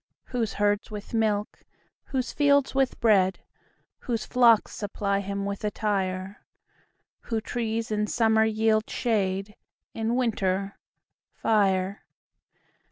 Whose herds with milk, whose fields with bread, Whose flocks supply him with attire; Whose trees in summer yield him shade, In winter fire.